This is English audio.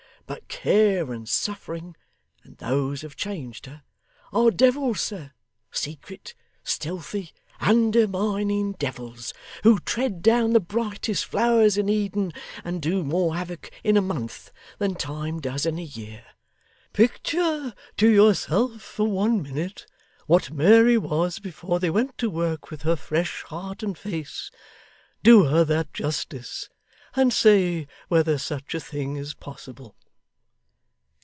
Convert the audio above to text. But care and suffering (and those have changed her) are devils, sir secret, stealthy, undermining devils who tread down the brightest flowers in Eden, and do more havoc in a month than Time does in a year. Picture to yourself for one minute what Mary was before they went to work with her fresh heart and face do her that justice and say whether such a thing is possible.